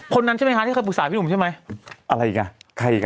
คนนั้นใช่ไหมคะที่เคยปรึกษาพี่หนุ่มใช่ไหมอะไรอีกอ่ะใครอีกอ่ะ